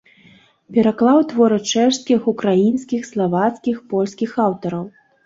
Пераклаў творы чэшскіх, украінскіх, славацкіх, польскіх аўтараў.